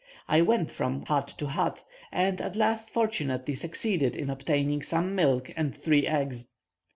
I went from hut to hut, and at last fortunately succeeded in obtaining some milk and three eggs.